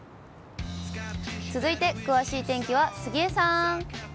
続いて詳しい天気は杉江さん。